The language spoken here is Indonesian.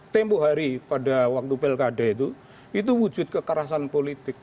tempoh hari pada waktu belkade itu itu wujud kekerasan politik